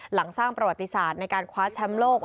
หลังสร้างประวัติศาสตร์ในการคว้าแชมป์โลก